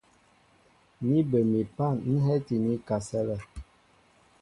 Ni bə mi pân ń hɛ́ti ní kasɛ́lɛ.